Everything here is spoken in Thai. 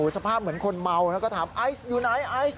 สภาพเหมือนคนเมาแล้วก็ถามไอซ์อยู่ไหนไอซ์